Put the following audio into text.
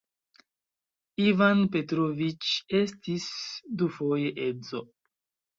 Ivan Petroviĉ estis dufoje edzo.